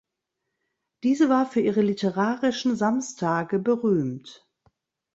Diese war für ihre literarischen Samstage berühmt.